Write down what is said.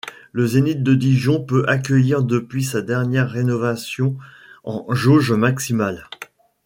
Le Zénith de Dijon peut accueillir depuis sa dernière rénovation en jauge maximale.